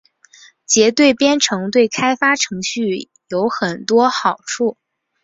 结对编程对开发程序有很多好处。